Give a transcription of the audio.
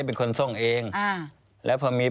แล้วเขาสร้างเองว่าห้ามเข้าใกล้ลูก